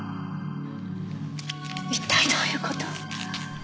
一体どういう事？